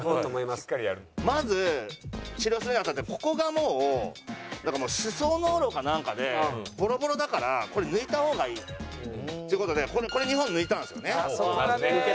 まず治療するに当たってここがもうなんかもう歯槽膿漏かなんかでボロボロだからこれ抜いた方がいいという事でこれ２本抜いたんですよね。